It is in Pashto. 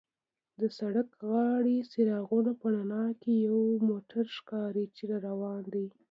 د سړک غاړې څراغونو په رڼا کې یو موټر ښکاري چې را روان دی.